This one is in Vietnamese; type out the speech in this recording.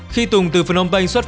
khi tùng từ phnom penh xuất cảnh